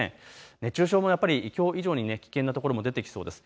熱中症もやっぱりきょう以上に危険な所も出てきそうです。